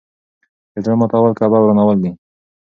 د زړه ماتول کعبه ورانول دي.